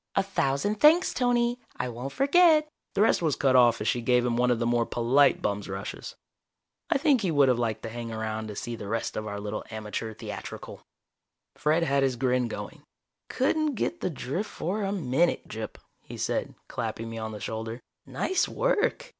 A thousand thanks, Tony. I won't forget " The rest was cut off as she gave him one of the more polite bum's rushes. I think he would have liked to hang around to see the rest of our little amateur theatrical. Fred had his grin going. "Couldn't get the drift for a minute, Gyp," he said, clapping me on the shoulder. "Nice work!